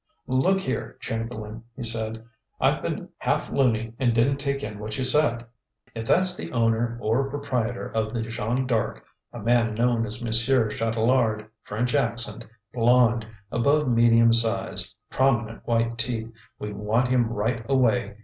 "Look here, Chamberlain," he said, "I've been half loony and didn't take in what you said. If that's the owner or proprietor of the Jeanne D'Arc a man known as Monsieur Chatelard, French accent, blond, above medium size, prominent white teeth we want him right away.